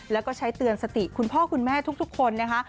แล้วก็ใช้เตือนสติคุณพ่อคุณแม่ทุกคนนะคะ